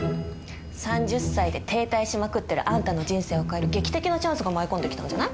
３０歳で停滞しまくってるあんたの人生を変える劇的なチャンスが舞い込んで来たんじゃない？